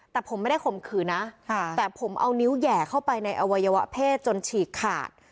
แต่ผมไม่ได้ข่มขืนนะแต่ผมเอานิ้วแห่เข้าไปในอวัยวะเพศจนฉีกขาด